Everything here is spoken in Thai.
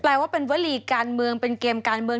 ว่าเป็นวลีการเมืองเป็นเกมการเมือง